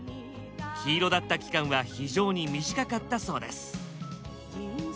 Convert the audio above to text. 黄色だった期間は非常に短かったそうです。